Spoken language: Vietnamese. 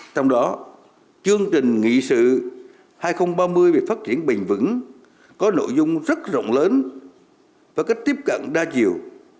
trong đó chương trình nghị sự hai nghìn ba mươi về phát triển bình vững có nội dung rất rộng lớn và cách tiếp cận đa chiều